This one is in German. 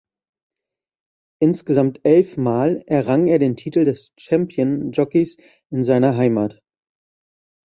Insgesamt elfmal errang er den Titel des Champion Jockeys in seiner Heimat.